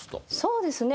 そうですね